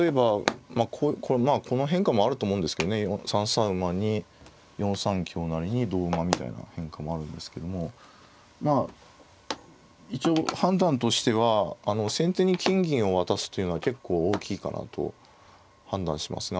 ３三馬に４三香成に同馬みたいな変化もあるんですけどもまあ一応判断としては先手に金銀を渡すというのは結構大きいかなと判断しますね。